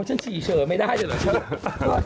อ๋อฉันฉี่เฉอไม่ได้เหรอ